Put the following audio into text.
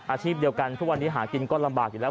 อาชีพเดียวกันทุกวันนี้หากินก็ลำบากอยู่แล้ว